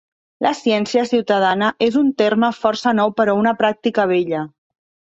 La ciència ciutadana és un terme força nou però una pràctica vella.